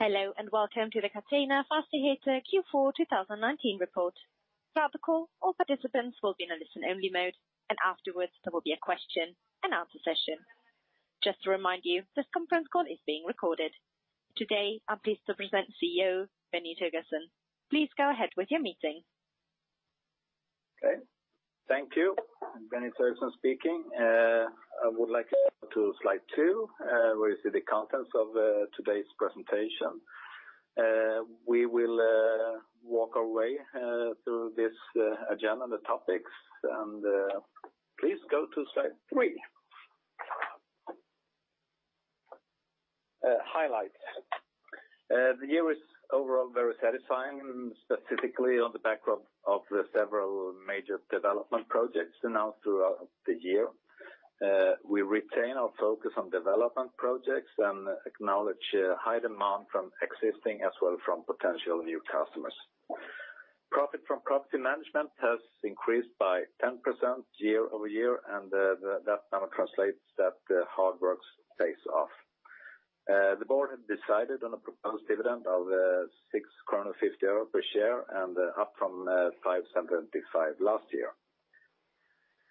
Hello, and welcome to the Catena Fastigheter Q4 2019 report. Throughout the call, all participants will be in a listen-only mode, and afterwards, there will be a question-and-answer session. Just to remind you, this conference call is being recorded. Today, I'm pleased to present CEO, Benny Thöresson. Please go ahead with your meeting. Okay. Thank you. Benny Thöresson speaking. I would like to go to slide two, where you see the contents of today's presentation. We will walk our way through this agenda and the topics. Please go to slide three. Highlights. The year is overall very satisfying, specifically on the backdrop of the several major development projects announced throughout the year. We retain our focus on development projects and acknowledge high demand from existing as well from potential new customers. Profit from property management has increased by 10% year-over-year, and that number translates that the hard work pays off. The board has decided on a proposed dividend of 6.50 SEK per share, and up from 5.75 SEK last year.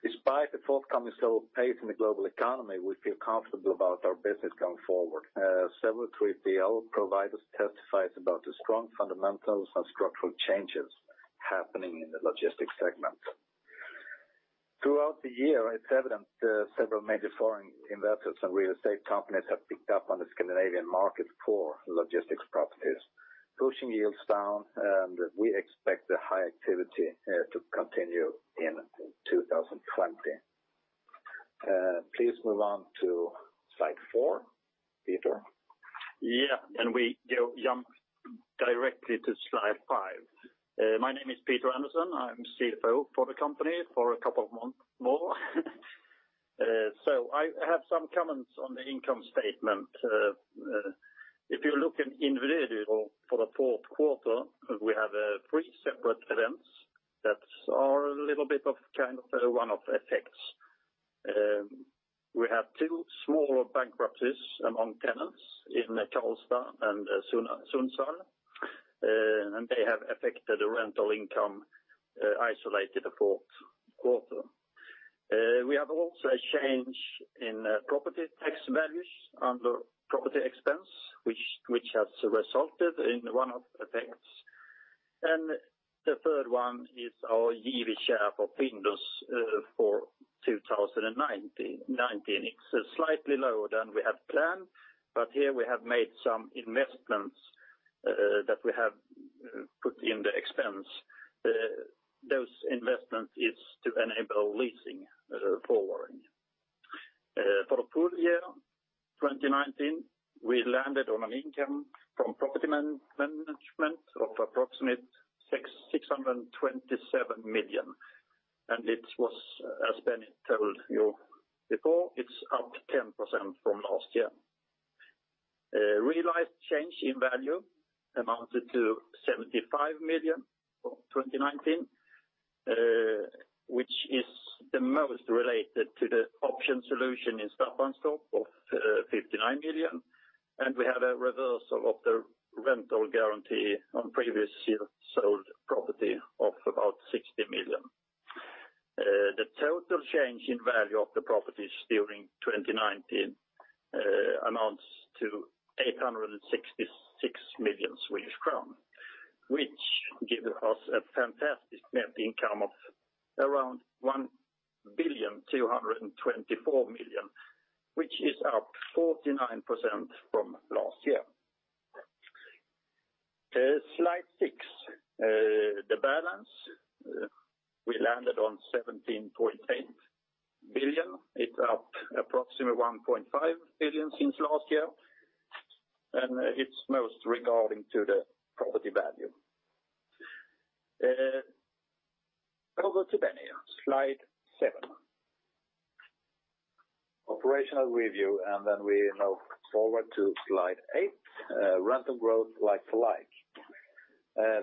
Despite the forthcoming slow pace in the global economy, we feel comfortable about our business going forward. Several 3PL providers testifies about the strong fundamentals and structural changes happening in the logistics segment. Throughout the year, it's evident, several major foreign investors and real estate companies have picked up on the Scandinavian market for logistics properties, pushing yields down, and we expect the high activity to continue in 2020. Please move on to slide 4, Peter. Yeah, and we jump directly to slide five. My name is Peter Andersson. I'm CFO for the company for a couple of months more. So I have some comments on the income statement. If you look at individually for the fourth quarter, we have three separate events that are a little bit of kind of one-off effects. We have two smaller bankruptcies among tenants in Karlstad and Sundsvall, and they have affected the rental income, isolated the fourth quarter. We have also a change in property tax values under property expense, which has resulted in one-off effects. And the third one is our yearly share of Findus for 2019. It's slightly lower than we had planned, but here we have made some investments that we have put in the expense. Those investments is to enable leasing forward. For the full year, 2019, we landed on an income from property management of approximately 627 million, and it was, as Benny told you before, it's up 10% from last year. Realized change in value amounted to 75 million for 2019, which is the most related to the option solution in Stockholm of 59 million, and we had a reversal of the rental guarantee on previous year sold property of about 60 million. The total change in value of the properties during 2019 amounts to 866 million Swedish crown, which gives us a fantastic net income of around 1,224 million, which is up 49% from last year. Slide six. The balance, we landed on 17.8 billion. It's up approximately 1.5 billion since last year, and it's most regarding to the property value. Over to Benny, slide seven. Operational review, and then we move forward to slide eight, rental growth like to like.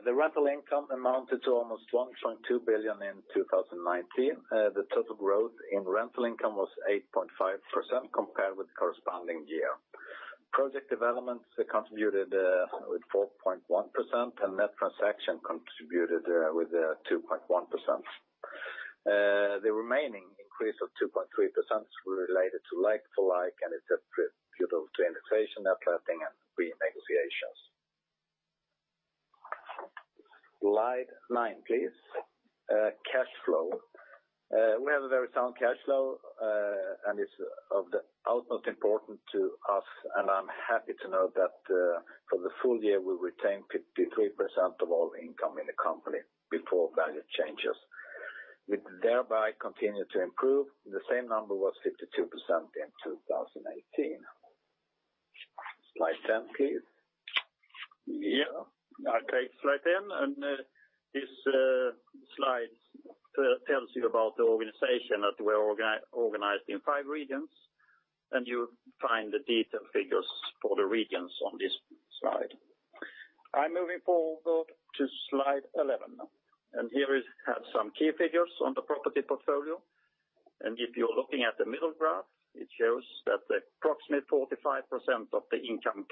The rental income amounted to almost 1.2 billion in 2019. The total growth in rental income was 8.5% compared with corresponding year. Project developments contributed with 4.1%, and net transaction contributed with 2.1%. The remaining increase of 2.3% was related to like-to-like, and it's attributable to inflation, up-letting and renegotiations. Slide nine, please. Cash flow. We have a very sound cash flow, and it's of the utmost importance to us, and I'm happy to know that, for the full year, we retained 53% of all income in the company before value changes. We thereby continue to improve. The same number was 52% in 2018. Slide ten, please. Yeah. Okay, slide 10, and this slide tells you about the organization, that we're organized in five regions, and you find the detailed figures for the regions on this slide. I'm moving forward to slide 11. And here we have some key figures on the property portfolio. And if you're looking at the middle graph, it shows that the approximate 45% of the income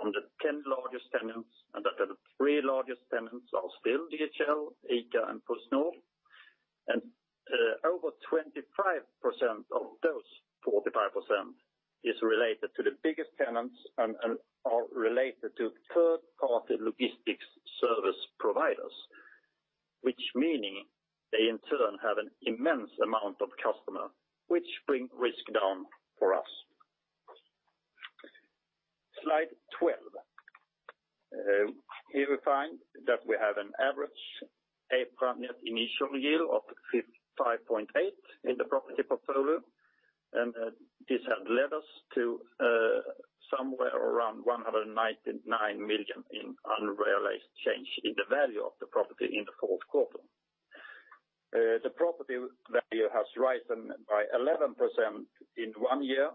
comes from the 10 largest tenants, and that the three largest tenants are still DHL, ICA, and PostNord. And over 25% of those 45% is related to the biggest tenants and are related to third-party logistics service providers, which meaning they in turn have an immense amount of customer, which bring risk down for us. Slide 12. Here we find that we have an average 8 prime net initial yield of 5.8% in the property portfolio. This had led us to somewhere around 199 million in unrealized change in the value of the property in the fourth quarter. The property value has risen by 11% in one year,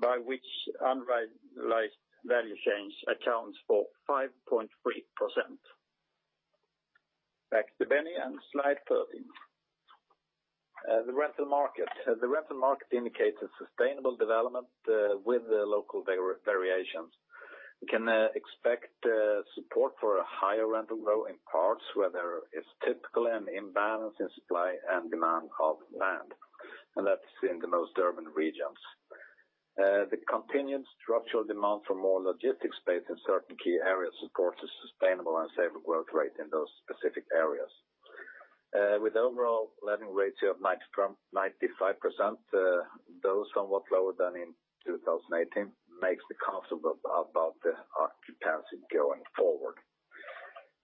by which unrealized value change accounts for 5.3%. Back to Benny and slide thirteen. The rental market. The rental market indicates a sustainable development, with the local variations. We can expect support for a higher rental growth in parts where there is typically an imbalance in supply and demand of land, and that's in the most urban regions. The continued structural demand for more logistics space in certain key areas supports a sustainable and safer growth rate in those specific areas. With overall letting ratio of 99.5%, somewhat lower than in 2018, makes me comfortable about the occupancy going forward.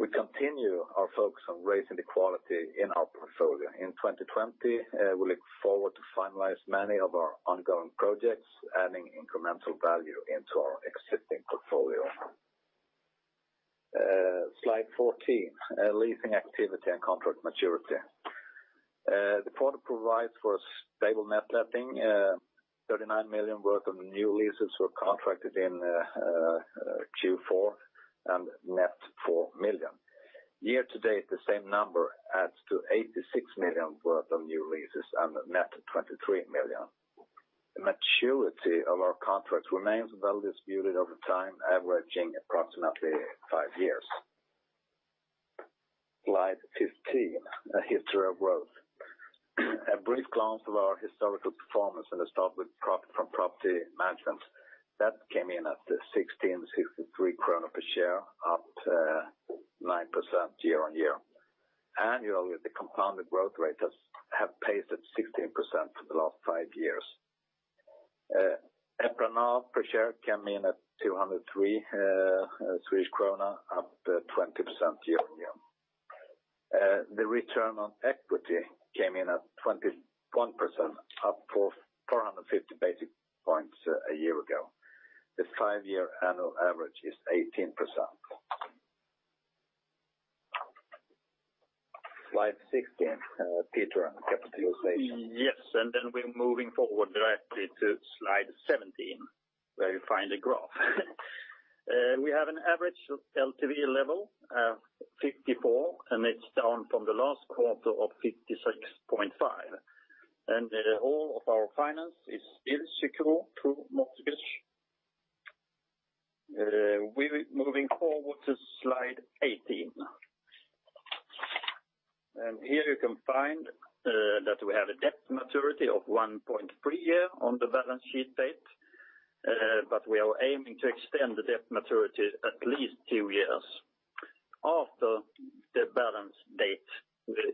We continue our focus on raising the quality in our portfolio. In 2020, we look forward to finalize many of our ongoing projects, adding incremental value into our existing portfolio. Slide 14, leasing activity and contract maturity. The portfolio provides for a stable net letting. 39 million worth of new leases were contracted in Q4 and net 4 million. Year to date, the same number adds to 86 million worth of new leases and net 23 million. The maturity of our contracts remains well distributed over time, averaging approximately 5 years. Slide 15, a history of growth. A brief glance of our historical performance, and let's start with profit from property management. That came in at 166.3 kronor per share, up 9% year-on-year. Annually, the compounded growth rate has paced at 16% for the last 5 years. EPRA NAV per share came in at 203 Swedish krona, up 20% year-on-year. The return on equity came in at 21%, up for 450 basis points a year ago. The five-year annual average is 18%. Slide 16, Peter, capital allocation. Yes, and then we're moving forward directly to slide 17, where you find a graph. We have an average LTV level of 54, and it's down from the last quarter of 56.5. And the whole of our finance is still secure through mortgage. We're moving forward to slide 18. And here you can find that we have a debt maturity of 1.3 year on the balance sheet date, but we are aiming to extend the debt maturity at least two years. After the balance date,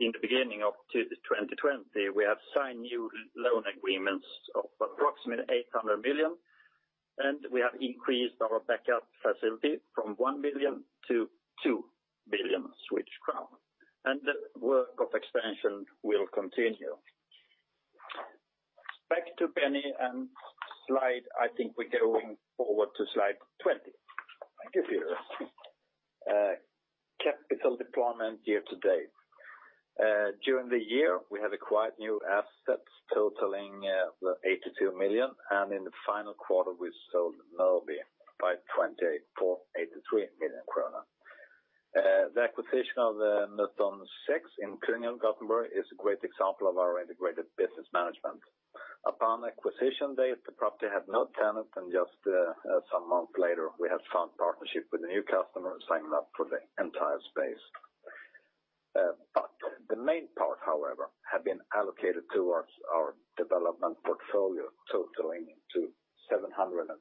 in the beginning of 2020, we have signed new loan agreements of approximately 800 million, and we have increased our backup facility from 1 billion to 2 billion Swedish crown, and the work of expansion will continue. Back to Benny, and slide... I think we're going forward to slide 20. Thank you, Peter. Capital deployment year to date. During the year, we have acquired new assets totaling 82 million, and in the final quarter, we sold Mölndal for 24.83 million krona. The acquisition of the Mätaren 6 in Kungälv, Gothenburg is a great example of our integrated business management. Upon acquisition date, the property had no tenant, and just some months later, we have found partnership with a new customer signing up for the entire space. But the main part, however, have been allocated towards our development portfolio, totaling to 753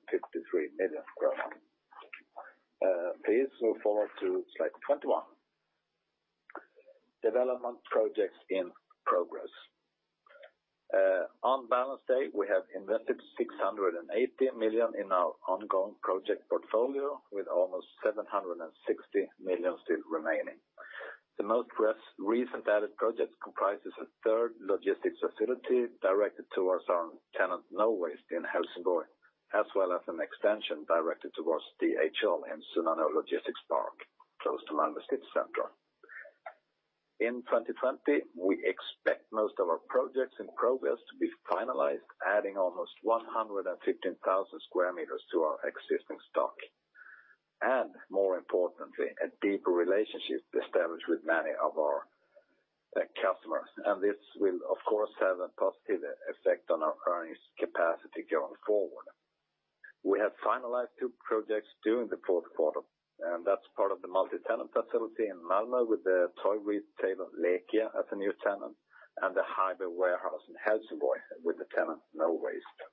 million krona. Please move forward to slide 21. Development projects in progress. On balance date, we have invested 680 million in our ongoing project portfolio, with almost 760 million still remaining. The most recent added project comprises a third logistics facility directed towards our tenant, Nowaste, in Helsingborg, as well as an extension directed towards DHL in Sunnanå Logistics Park, close to Malmö city center. In 2020, we expect most of our projects in progress to be finalized, adding almost 115,000 square meters to our existing stock. More importantly, a deeper relationship established with many of our customers. This will of course have a positive effect on our earnings capacity going forward. We have finalized two projects during the fourth quarter, and that's part of the multi-tenant facility in Malmö with the toy retailer, Lekia, as a new tenant, and the hybrid warehouse in Helsingborg, with the tenant, Nowaste.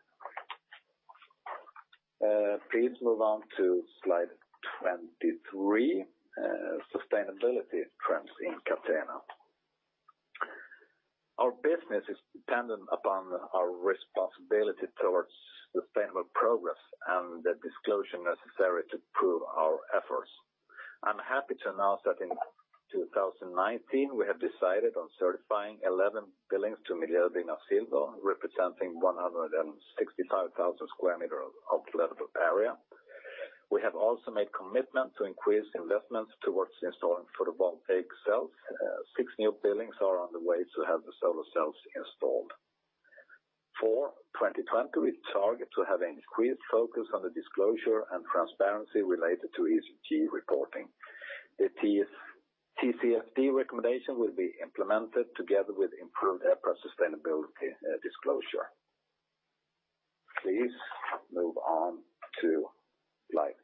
Please move on to slide 23, sustainability trends in Catena. Our business is dependent upon our responsibility towards sustainable progress and the disclosure necessary to prove our efforts. I'm happy to announce that in 2019, we have decided on certifying 11 buildings to Miljöbyggnad, representing 165,000 square meter of lettable area. We have also made commitment to increase investments towards installing photovoltaic cells. Six new buildings are on the way to have the solar cells installed. For 2020, we target to have increased focus on the disclosure and transparency related to ESG reporting. The TCFD recommendation will be implemented together with improved air sustainability, disclosure. Please move on to slide 24.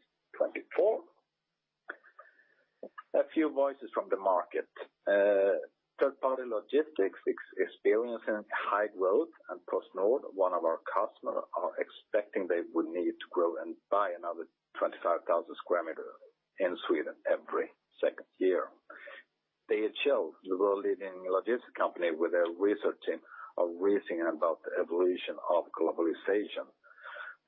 A few voices from the market. Third-party logistics is experiencing high growth, and PostNord, one of our customers, are expecting they would need to grow and buy another 25,000 square meter in Sweden every second year. DHL, the world-leading logistics company, where they're researching or reading about the evolution of globalization.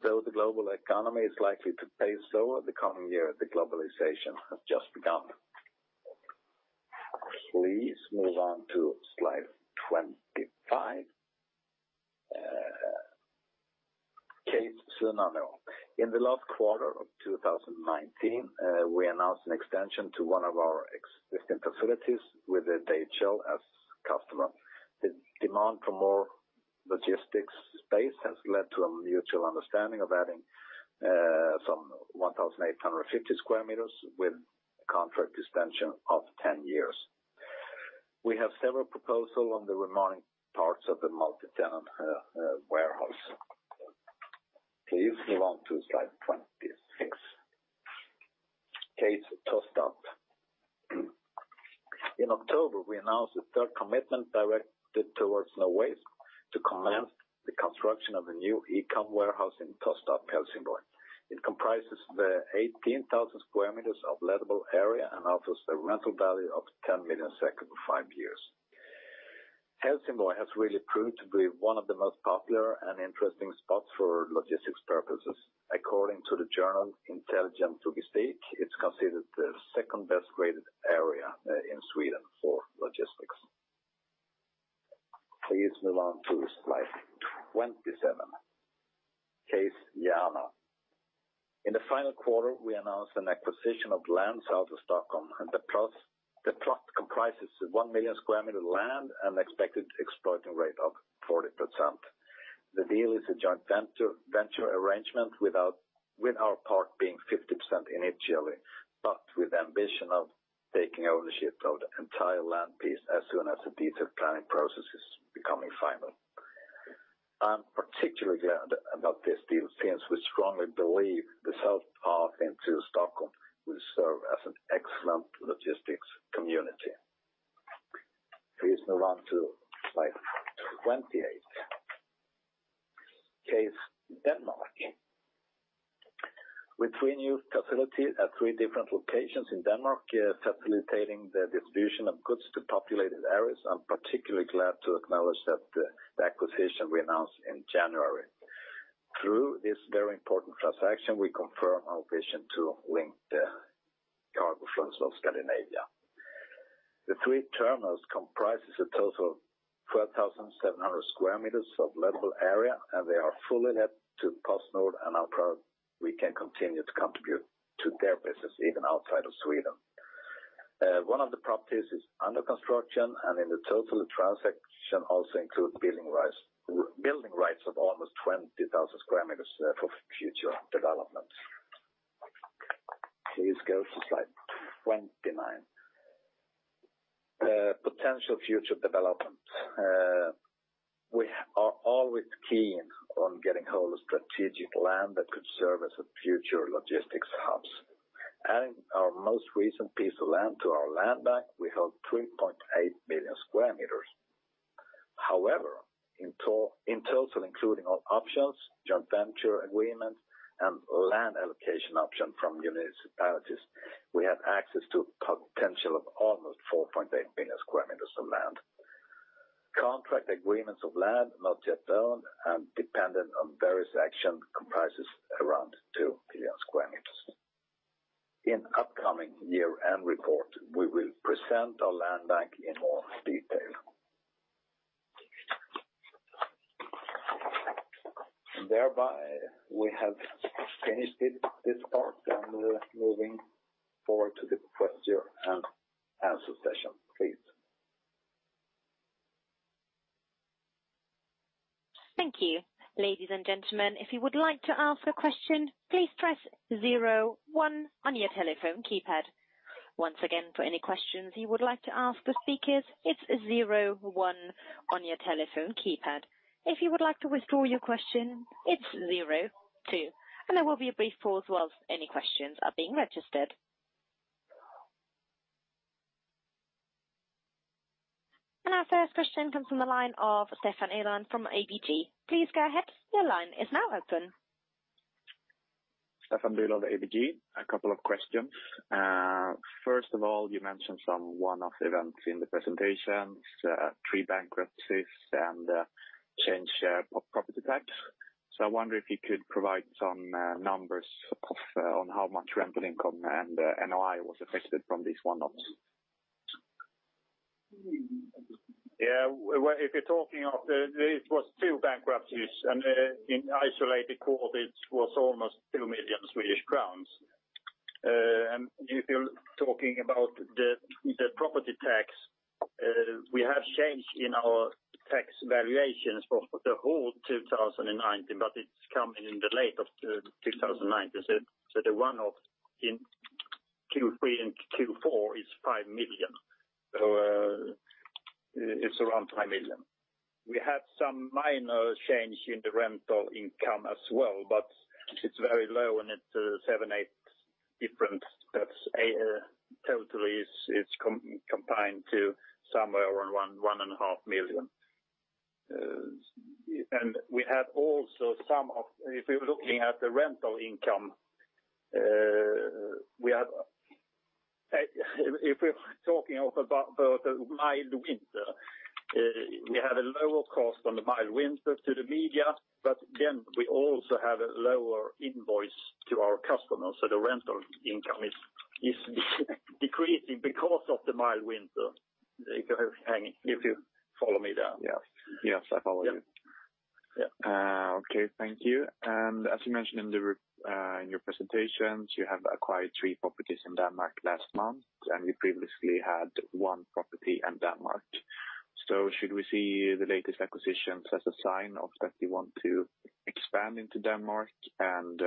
Though the global economy is likely to pace slow over the coming year, the globalization has just begun. Please move on to slide 25. Case Södertälje. In the last quarter of 2019, we announced an extension to one of our existing facilities with DHL as customer. The demand for more logistics space has led to a mutual understanding of adding some 1,850 square meters with a contract extension of 10 years. We have several proposals on the remaining parts of the multi-tenant warehouse. Please move on to slide 26. Case Tostarp. In October, we announced the third commitment directed towards Nowaste to commence the construction of a new e-com warehouse in Tostarp, Helsingborg. It comprises the 18,000 square meters of lettable area and offers a rental value of 10 million for 5 years. Helsingborg has really proved to be one of the most popular and interesting spots for logistics purposes. According to the journal Intelligent Logistik, it's considered the second-best graded area in Sweden for logistics. Please move on to slide 27. Case Järna. In the final quarter, we announced an acquisition of land south of Stockholm, and the plot, the plot comprises 1 million square meters of land and expected exploitation rate of 40%. The deal is a joint venture, venture arrangement with our, with our part being 50% initially, but with ambition of taking ownership of the entire land piece as soon as the detailed planning process is becoming final. I'm particularly glad about this deal since we strongly believe the south part into Stockholm will serve as an excellent logistics community. Please move on to slide 28. Case Denmark. With three new facilities at three different locations in Denmark, facilitating the distribution of goods to populated areas, I'm particularly glad to acknowledge that, the acquisition we announced in January. Through this very important transaction, we confirm our vision to link the cargo flows of Scandinavia. The three terminals comprises a total of 12,700 square meters of level area, and they are fully let to PostNord, and are proud we can continue to contribute to their business even outside of Sweden. One of the properties is under construction, and in the total, the transaction also includes building rights of almost 20,000 square meters, for future development. Please go to slide 29. Potential future development. We are always keen on getting hold of strategic land that could serve as a future logistics hubs. Adding our most recent piece of land to our land bank, we hold 3.8 million square meters. However, in total, including all options, joint venture agreements, and land allocation option from municipalities, we have access to potential of almost 4.8 million square meters of land. Contract agreements of land, not yet owned and dependent on various action, comprises around 2 million square meters. In upcoming year-end report, we will present our land bank in more detail. ...Thereby, we have finished it, this part, and we're moving forward to the question and answer session, please. Thank you. Ladies and gentlemen, if you would like to ask a question, please press zero one on your telephone keypad. Once again, for any questions you would like to ask the speakers, it's zero one on your telephone keypad. If you would like to withdraw your question, it's zero two, and there will be a brief pause while any questions are being registered. Our first question comes from the line of Staffan Bülow from ABG. Please go ahead. Your line is now open. Staffan Bülow, ABG. A couple of questions. First of all, you mentioned some one-off events in the presentations, three bankruptcies and change of property tax. So I wonder if you could provide some numbers of on how much rental income and NOI was affected from this one-off? Yeah, if you're talking of it was two bankruptcies, and in isolated quarter, it was almost 2 million Swedish crowns. And if you're talking about the property tax, we have changed in our tax valuations for the whole 2019, but it's coming in the late of 2019. So the one-off in Q3 and Q4 is 5 million. So it's around 5 million. We had some minor change in the rental income as well, but it's very low, and it's 7, 8 different. That's totally it's combined to somewhere around 1-1.5 million. And we had also—if you're looking at the rental income, we had, if we're talking about the mild winter, we had a lower cost on the mild winter to the media, but then we also have a lower invoice to our customers. So the rental income is decreasing because of the mild winter. If you follow me there? Yes. Yes, I follow you. Yeah. Okay. Thank you. And as you mentioned in your presentations, you have acquired three properties in Denmark last month, and you previously had one property in Denmark. So should we see the latest acquisitions as a sign of that you want to expand into Denmark? And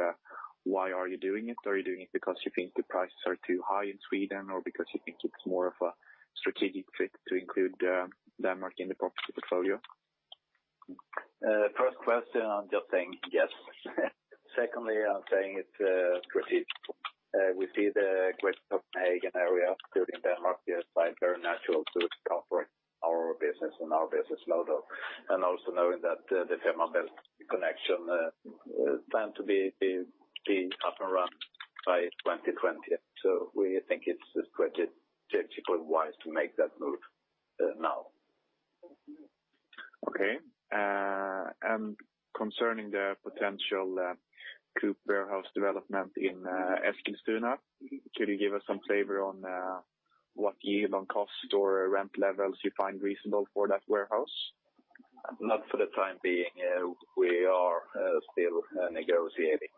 why are you doing it? Are you doing it because you think the prices are too high in Sweden, or because you think it's more of a strategic fit to include Denmark in the property portfolio? First question, I'm just saying yes. Secondly, I'm saying it's strategic. We see the Greater Copenhagen area, including Denmark, as, like, very natural to operate our business and our business model, and also knowing that the Fehmarn Belt connection planned to be up and running by 2020. So we think it's quite strategically wise to make that move now. Okay. Concerning the potential Coop warehouse development in Eskilstuna, could you give us some flavor on what yield on cost or rent levels you find reasonable for that warehouse? Not for the time being, we are still negotiating,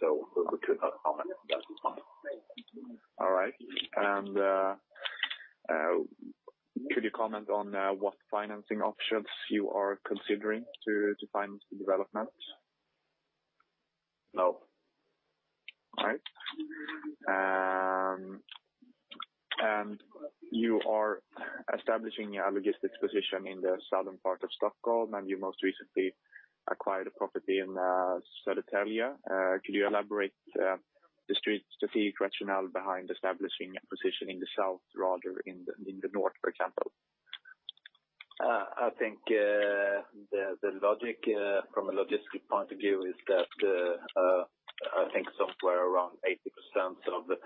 so we could not comment at this time. All right. Could you comment on what financing options you are considering to finance the development? No. All right. And you are establishing a logistics position in the southern part of Stockholm, and you most recently acquired a property in Södertälje. Could you elaborate the strategic rationale behind establishing a position in the south rather in the north, for example? I think the logic from a logistic point of view is that I think somewhere around 80% of the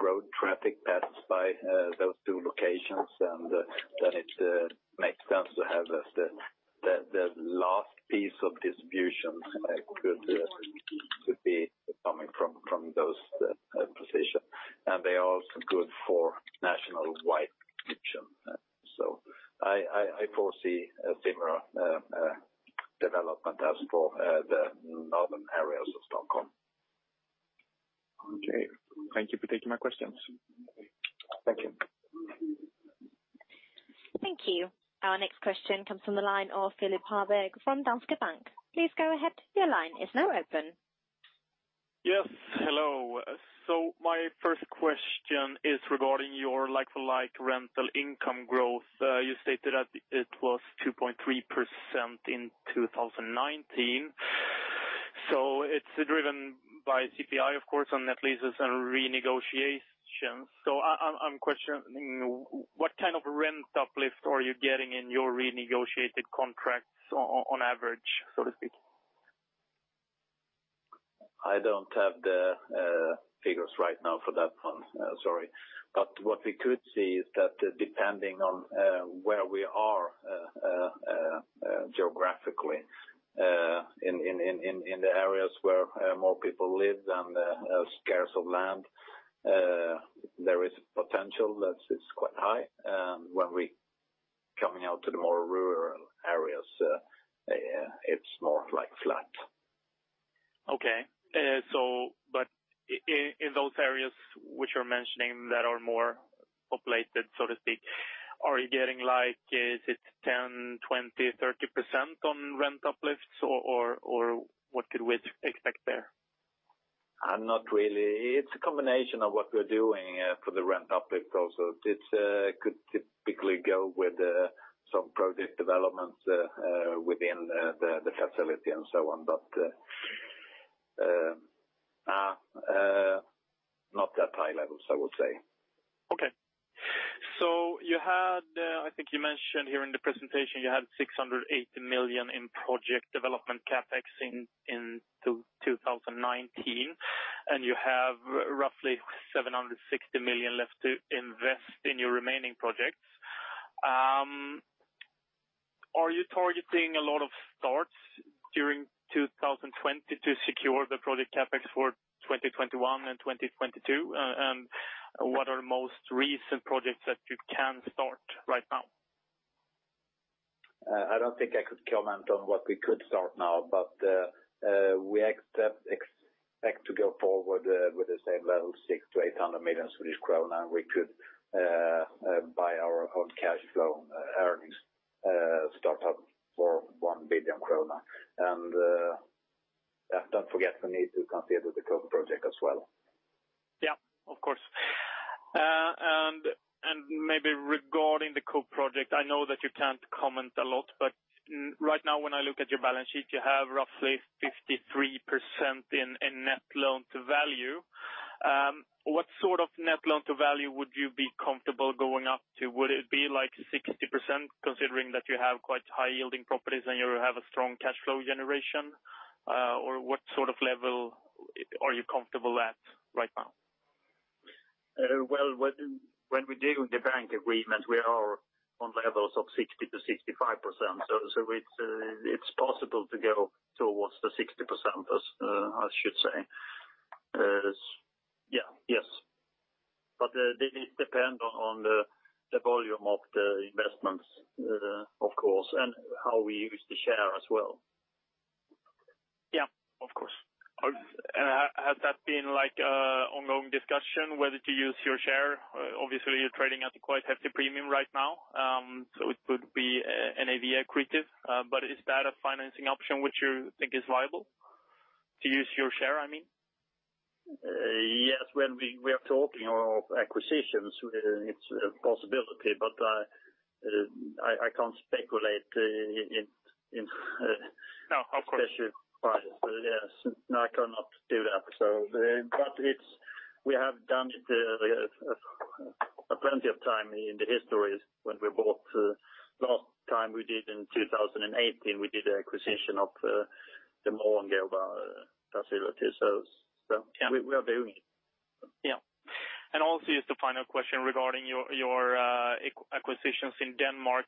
road traffic passes by those two locations. And then it makes sense to have the last piece of distribution could be coming from those position. And they are also good for national-wide distribution. So I foresee a similar development as for the northern areas of Stockholm. Okay. Thank you for taking my questions. Thank you. Thank you. Our next question comes from the line of Philip Hallberg from Danske Bank. Please go ahead. Your line is now open. Yes, hello. So my first question is regarding your like-for-like rental income growth. You stated that it was 2.3% in 2019. So it's driven by CPI, of course, on net leases and renegotiations. So I'm questioning, what kind of rent uplift are you getting in your renegotiated contracts on average, so to speak? I don't have the figures right now for that one, sorry. But what we could see is that depending on where we are geographically in the areas where more people live and scarce of land, there is potential that it's quite high. When coming out to the more rural areas, it's more like flat. Okay. So but in those areas which you're mentioning that are more populated, so to speak, are you getting like, is it 10, 20, 30% on rent uplifts or what could we expect there? Not really. It's a combination of what we're doing for the rent uplift also. It could typically go with some project developments within the facility and so on. But not that high levels, I would say. Okay. So you had, I think you mentioned here in the presentation, you had 680 million in project development CapEx in 2019, and you have roughly 760 million left to invest in your remaining projects. Are you targeting a lot of starts during 2020 to secure the project CapEx for 2021 and 2022? What are the most recent projects that you can start right now? I don't think I could comment on what we could start now, but we expect to go forward with the same level, 600 million-800 million Swedish crown. We could, by our own cash flow earnings, start up for 1 billion krona. And don't forget, we need to consider the Coop project as well. Yeah, of course. And maybe regarding the Coop project, I know that you can't comment a lot, but right now, when I look at your balance sheet, you have roughly 53% in net loan to value. What sort of net loan to value would you be comfortable going up to? Would it be like 60%, considering that you have quite high-yielding properties and you have a strong cash flow generation? Or what sort of level are you comfortable at right now? Well, when we deal with the bank agreement, we are on levels of 60%-65%. So it's possible to go towards the 60%, as I should say. Yeah, yes. But it depend on the volume of the investments, of course, and how we use the share as well. Yeah, of course. Has that been, like, an ongoing discussion, whether to use your share? Obviously, you're trading at a quite hefty premium right now. So it would be a NAV accretive. But is that a financing option which you think is viable, to use your share, I mean? Yes, when we are talking of acquisitions, it's a possibility, but I can't speculate in. No, of course. Special price. But yes, no, I cannot do that. So, but it's—we have done it plenty of time in the history when we bought, last time we did in 2018, we did an acquisition of, the Morgongåva facility. So, so- Yeah. We are doing it. Yeah. And also, just a final question regarding your acquisitions in Denmark.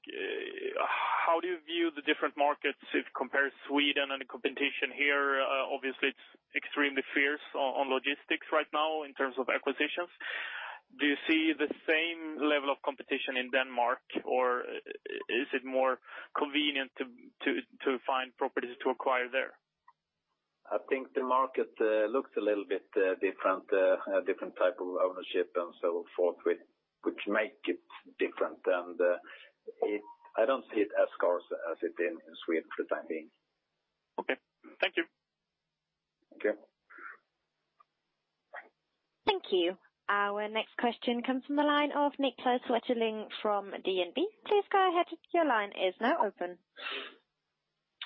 How do you view the different markets if compare Sweden and the competition here? Obviously, it's extremely fierce on logistics right now in terms of acquisitions. Do you see the same level of competition in Denmark, or is it more convenient to find properties to acquire there? I think the market looks a little bit different, a different type of ownership and so forth, which make it different. I don't see it as scarce as it is in Sweden, for that being. Okay. Thank you. Okay. Thank you. Our next question comes from the line of Niklas Wetterling from DNB. Please go ahead, your line is now open.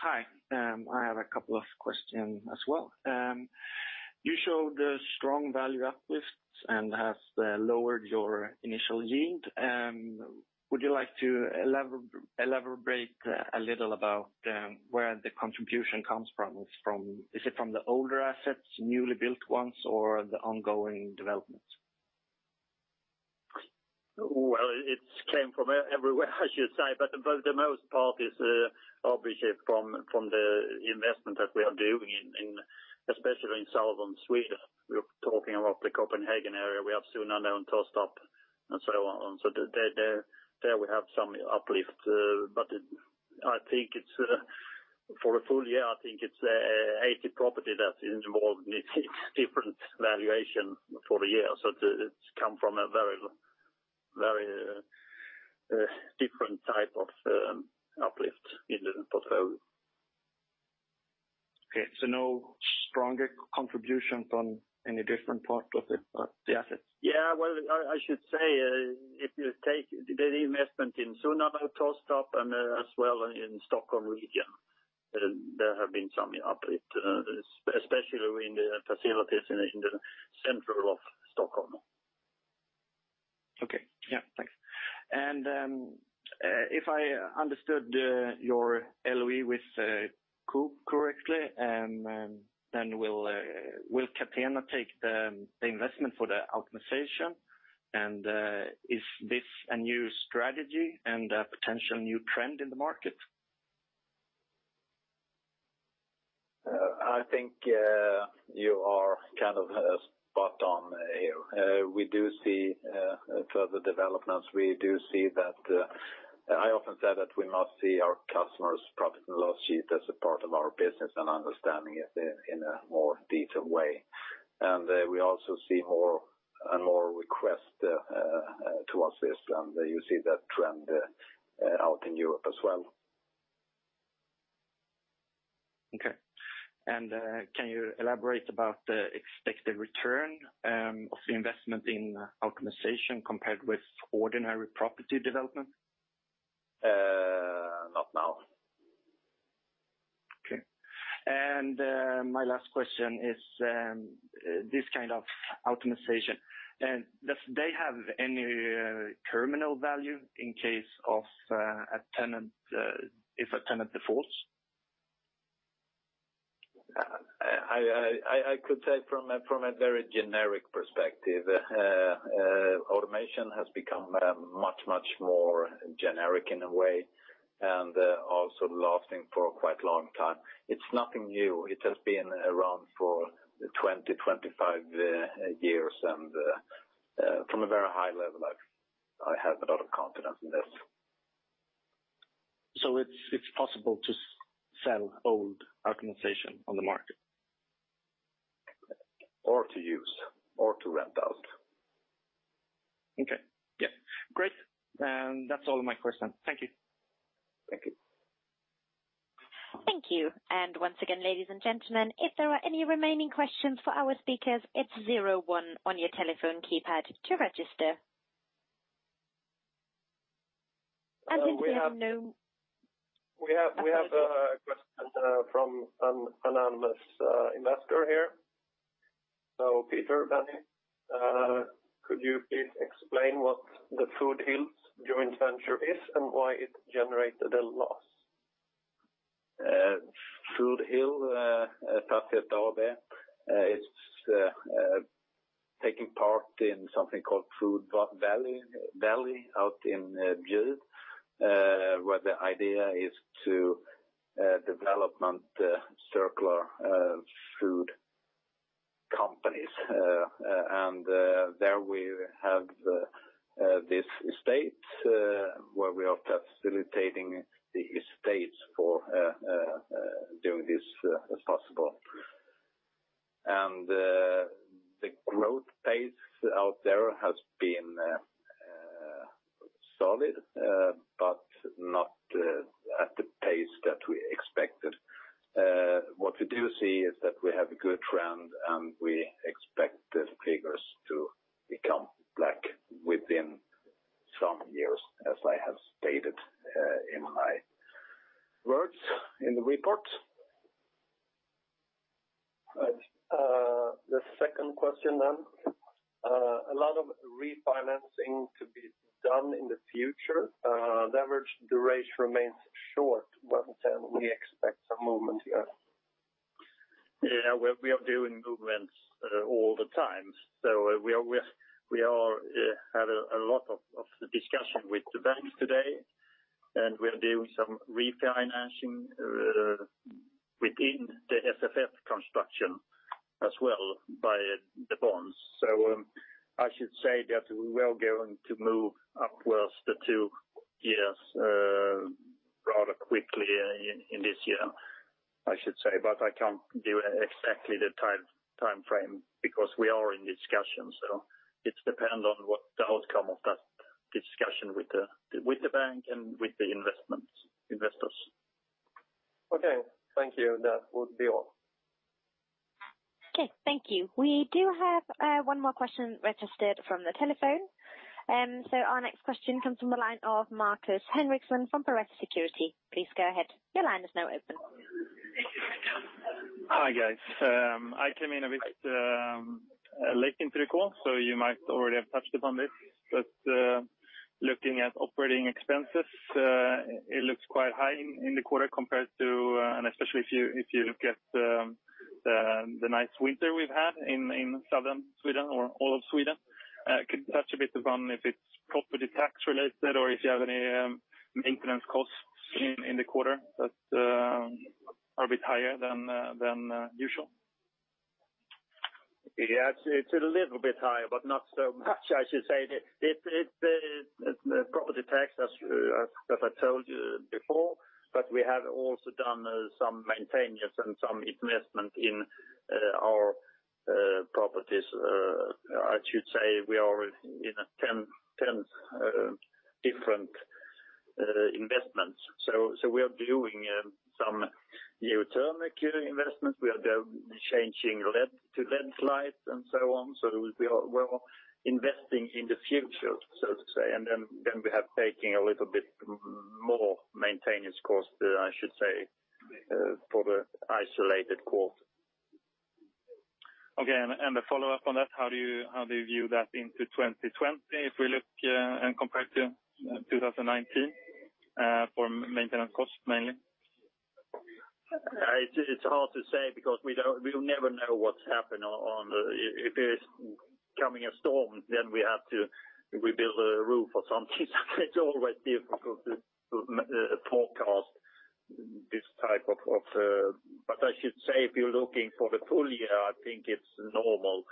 Hi. I have a couple of question as well. You showed a strong value uplifts and has lowered your initial yield. Would you like to elaborate a little about where the contribution comes from? Is it from the older assets, newly built ones, or the ongoing developments? Well, it's came from everywhere, I should say, but the most part is obviously from the investment that we are doing in especially in southern Sweden. We're talking about the Copenhagen area, we have Sunnanå and Tostarp and so on. So there, there we have some uplift, but it... I think it's for a full year, I think it's 80 properties that is involved in its different valuation for the year. So it's come from a very, very different type of uplift in the portfolio. Okay. So no stronger contributions on any different part of the, the assets? Yeah, well, I should say, if you take the investment in Sunnanå, Tostarp, and as well in Stockholm region, there have been some uplift, especially in the facilities in the center of Stockholm. Okay. Yeah, thanks. And if I understood your LOI with Coop correctly, then will Catena take the investment for the optimization? And is this a new strategy and a potential new trend in the market?... I think you are kind of spot on here. We do see further developments. We do see that I often say that we must see our customers' profit and loss sheet as a part of our business and understanding it in a more detailed way. We also see more and more requests towards this, and you see that trend out in Europe as well. Okay. And can you elaborate about the expected return of the investment in optimization compared with ordinary property development? Not now. Okay. And, my last question is, this kind of optimization, does they have any, terminal value in case of, a tenant, if a tenant defaults? I could say from a very generic perspective, automation has become much more generic in a way, and also lasting for quite a long time. It's nothing new. It has been around for 20-25 years, and from a very high level, I have a lot of confidence in this. It's possible to sell old optimization on the market? Or to use or to rent out. Okay. Yeah. Great. That's all my questions. Thank you. Thank you. Thank you. Once again, ladies and gentlemen, if there are any remaining questions for our speakers, it's zero one on your telephone keypad to register. I think we have no- We have a question from an anonymous investor here. So Peter Andersson, could you please explain what the Food Hills joint venture is and why it generated a loss? Food Hills AB, it's taking part in something called Food Valley out in Bjuv, where the idea is to development the circular food companies. And there we have this estate, where we are facilitating the estates for doing this as possible. And the growth pace out there has been solid, but not at the pace that we expected. What we do see is that we have a good trend, and we expect the figures to become black within some years, as I have stated in my words in the report. Right. The second question then, a lot of refinancing to be done in the future. Leverage duration remains short. When can we expect some movement here? Yeah, we are doing movements all the time. So we are, we had a lot of discussion with the banks today, and we're doing some refinancing within the SFF construction as well by the bonds. So, I should say that we are going to move upwards the two years rather quickly in this year, I should say, but I can't give exactly the time, timeframe because we are in discussion. So it depend on what the outcome of that discussion with the bank and with the investments, investors. Okay. Thank you. That would be all. Okay. Thank you. We do have one more question registered from the telephone. So our next question comes from the line of Markus Henriksson from Pareto Securities. Please go ahead. Your line is now open. Hi, guys. I came in a bit late into the call, so you might already have touched upon this. But looking at operating expenses, it looks quite high in the quarter compared to... And especially if you look at the nice winter we've had in southern Sweden or all of Sweden. Could you touch a bit upon if it's property tax related or if you have any maintenance costs in the quarter that are a bit higher than usual? Yeah, it's a little bit higher, but not so much. I should say that it, property tax, as I told you before, but we have also done some maintenance and some investment in our properties. I should say we are in 10 different investments. So we are doing some new turnkey investments. We are changing LED to LED lights and so on. So we are well investing in the future, so to say, and then we have taking a little bit more maintenance costs, I should say, for the isolated quarter. Okay. And a follow-up on that, how do you view that into 2020, if we look and compare to 2019, for maintenance costs, mainly? It's hard to say because we will never know what's happened on, on, if it's coming a storm, then we have to rebuild a roof or something. It's always difficult to forecast this type of. But I should say if you're looking for the full year, I think it's normal.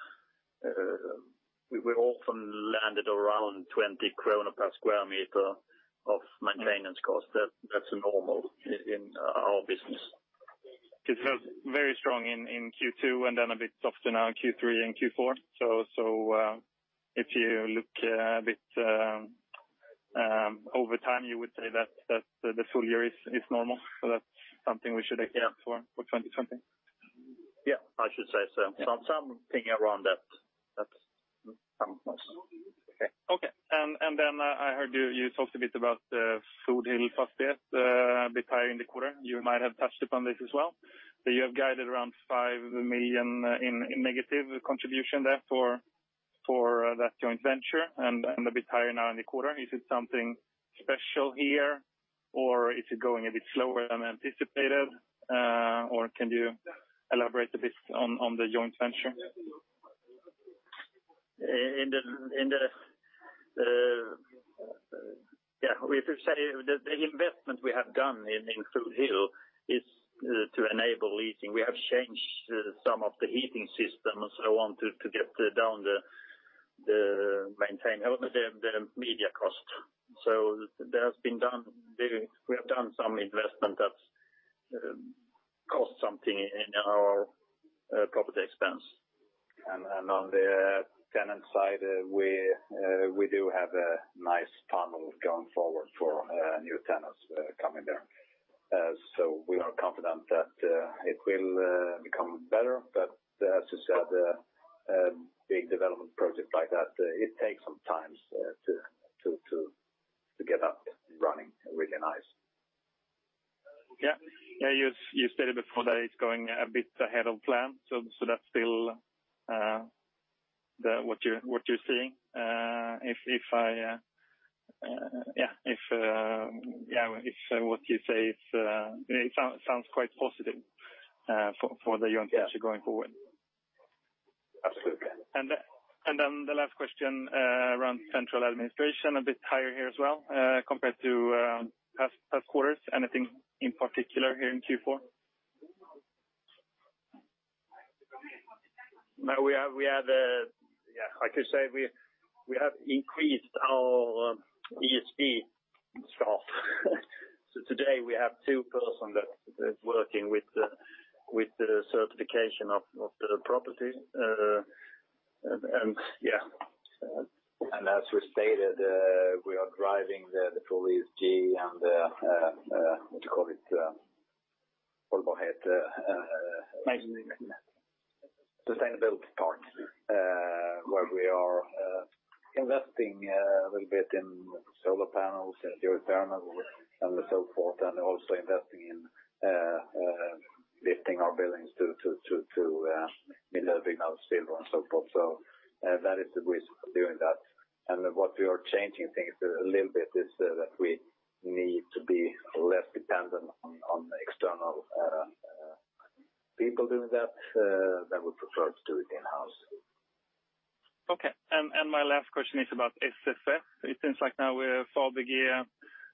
We often landed around 20 krona per sq m of maintenance cost. That's normal in our business. It was very strong in Q2, and then a bit softer now in Q3 and Q4. So if you look a bit over time, you would say that the full year is normal? So that's something we should account for, for twenty-something. Yeah, I should say so. Something around that, that's yes. Okay. And then, I heard you talked a bit about Food Hills, a bit higher in the quarter. You might have touched upon this as well, but you have guided around 5 million in negative contribution there for that joint venture, and a bit higher now in the quarter. Is it something special here, or is it going a bit slower than anticipated? Or can you elaborate a bit on the joint venture? Yeah, we could say the investment we have done in Food Hills is to enable heating. We have changed some of the heating system, so I want to get down the maintenance, the media cost. So there has been done, we have done some investment that cost something in our property expense. And on the tenant side, we do have a nice funnel going forward for new tenants coming there. So we are confident that it will become better. But as you said, big development project like that, it takes some time to get up running really nice. Yeah. Yeah, you stated before that it's going a bit ahead of plan, so that's still what you're seeing? If what you say, it sounds quite positive for the joint venture going forward. Absolutely. Then the last question around central administration, a bit higher here as well, compared to past quarters. Anything in particular here in Q4? No, I could say we have increased our ESG staff. So today, we have two person that is working with the certification of the property. And. As we stated, we are driving the full ESG and the, what you call it, Maintenance. Sustainability part, where we are investing a little bit in solar panels and geothermal and so forth, and also investing in lifting our buildings to minimum Silver and so forth. So, that is the way of doing that. And what we are changing things a little bit is that we need to be less dependent on the external people doing that, that we prefer to do it in-house. Okay. And, and my last question is about SFF. It seems like now with Fabege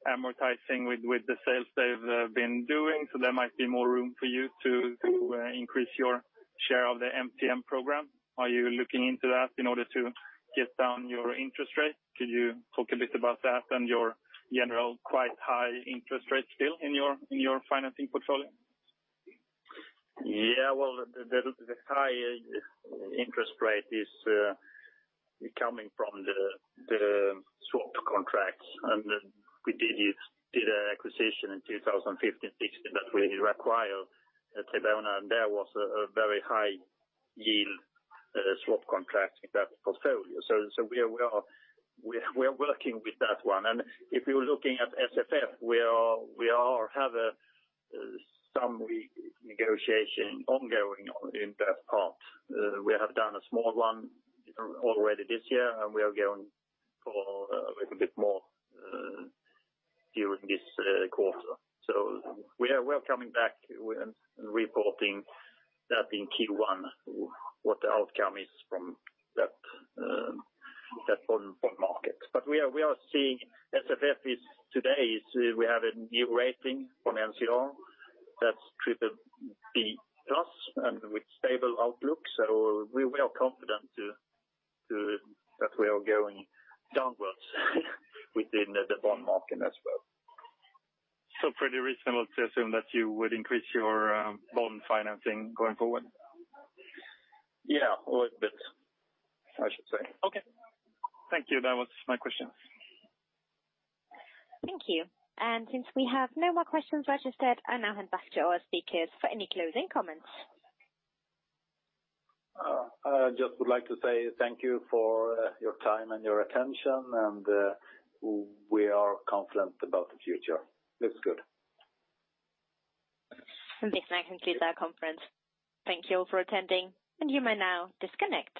amortizing with, with the sales they've been doing, so there might be more room for you to increase your share of the MTN program. Are you looking into that in order to get down your interest rate? Could you talk a bit about that and your generally quite high interest rate still in your, in your financing portfolio? Yeah, well, the high interest rate is coming from the swap contracts. And we did an acquisition in 2015-16, that we acquired Tribona, and there was a very high-yield swap contract in that portfolio. So we are working with that one. And if you are looking at SFF, we have some renegotiation ongoing in that part. We have done a small one already this year, and we are going for a little bit more during this quarter. So we are coming back with reporting that in Q1, what the outcome is from that bond market. But we are seeing SFF is today, we have a new rating from Moody's, that's triple B plus and with stable outlook. So we are confident that we are going downwards within the bond market as well. So pretty reasonable to assume that you would increase your bond financing going forward? Yeah, a little bit, I should say. Okay. Thank you. That was my questions. Thank you. And since we have no more questions registered, I now hand back to our speakers for any closing comments. I just would like to say thank you for your time and your attention, and we are confident about the future. Looks good. This now concludes our conference. Thank you for attending, and you may now disconnect.